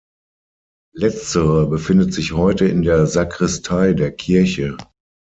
Letztere befindet sich heute in der Sakristei der Kirche.